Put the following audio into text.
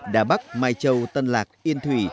đà bắc mai châu tân lạc yên thủy